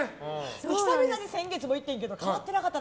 久々に先月も行ったけど変わってなかったな。